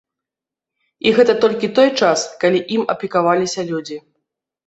І гэта толькі той час, калі ім апекаваліся людзі.